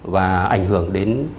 và ảnh hưởng đến